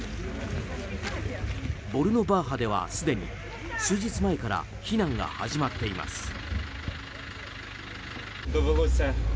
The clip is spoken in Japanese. ボルノバーハではすでに数日前から避難が始まっています。